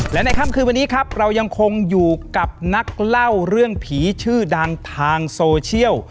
และในค่ำคืนวันนี้ครับเรายังคงอยู่กับนักเล่าเรื่องผีชื่อดังทางโซเชียล